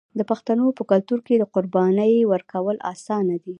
د پښتنو په کلتور کې د قربانۍ ورکول اسانه دي.